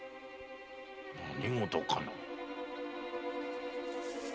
何事かな？